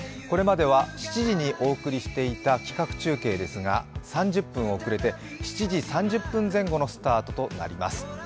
これまでは７時にお送りしていた企画中継ですが３０分遅れて、７時３０分前とのスタートとなります。